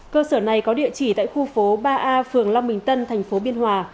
cơ sở này có địa chỉ tại khu phố ba a phường long bình tân tp biên hòa